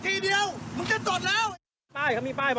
มันจอดอย่างง่ายอย่างง่ายอย่างง่าย